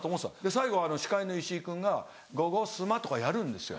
最後司会の石井君が「ゴゴスマ！」とかやるんですよ。